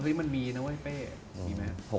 เฮ้ยมันมีนะเพ้มีมั้ย